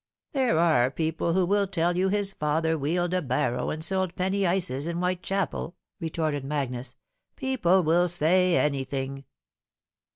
" There are people who will tell you bis father wheeled a barrow and sold penny ices in Whitechapel," retorted Magnus. " People wil say anything."